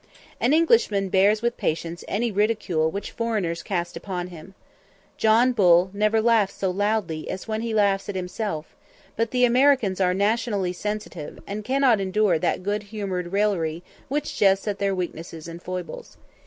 An Englishman bears with patience any ridicule which foreigners cast upon him. John Bull never laughs so loudly as when he laughs at himself; but the Americans are nationally sensitive, and cannot endure that good humoured raillery which jests at their weaknesses and foibles.